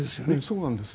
そうなんです。